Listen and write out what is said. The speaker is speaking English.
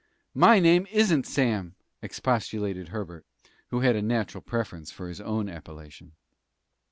"My name isn't Sam," expostulated Herbert, who had a natural preference for his own appellation.